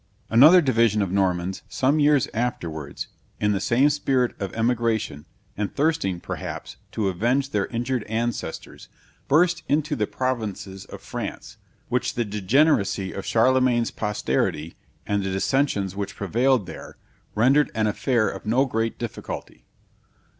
_] Another division of Normans, some years afterwards, in the same spirit of emigration, and thirsting, perhaps, to avenge their injured ancestors, burst into the provinces of France, which the degeneracy of Charlemagne's posterity, and the dissensions which prevailed there, rendered an affair of no great difficulty.